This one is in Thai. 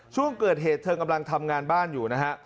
ช่วงเกิดเหตุเธอกำลังทำงานบ้านอยู่นะฮะ